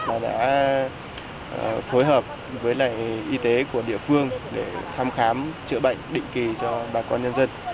và đã phối hợp với lại y tế của địa phương để thăm khám chữa bệnh định kỳ cho bà con nhân dân